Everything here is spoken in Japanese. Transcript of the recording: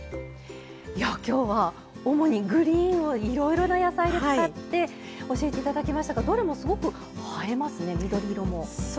きょうは、主にグリーンをいろいろな野菜で使って教えていただきましたがどれもすごく映えますね、緑色も。